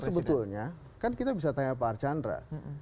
sebetulnya kan kita bisa tanya pak archandra